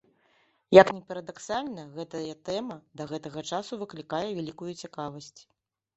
Як ні парадаксальна, гэтая тэма да гэтага часу выклікае вялікую цікавасць.